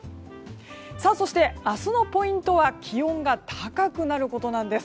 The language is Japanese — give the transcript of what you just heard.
そして、明日のポイントは気温が高くなることなんです。